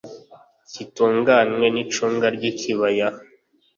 cy itunganywa n icunga ry ikibaya